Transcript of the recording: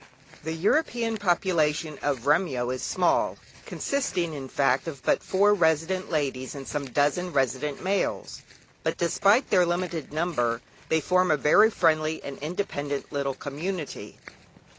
The European population of Remyo is small, consisting in fact of but four resident ladies, and some dozen resident males; but despite their limited number they form a very friendly and independent little community.